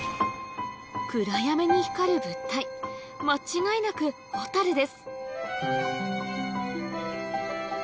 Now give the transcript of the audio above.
暗闇に光る物体間違いなくホタルです